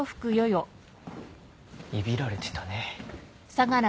いびられてたね。